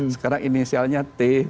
sekarang inisialnya t